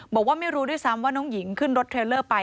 บอกว่าไม่รู้ด้วยซ้ำว่าน้องหญิงขึ้นรถเทรลเลอร์ไป